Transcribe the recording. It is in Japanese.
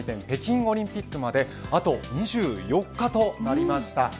北京オリンピックまであと２４日となりました。